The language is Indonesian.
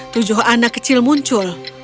tujuh anak kecil muncul